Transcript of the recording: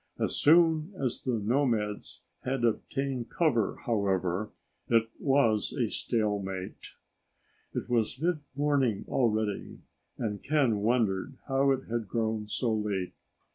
As soon as the nomads had obtained cover however, it was a stalemate. It was mid morning already, and Ken wondered how it had grown so late.